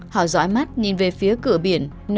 họ dõi mắt nhìn về phía cửa biển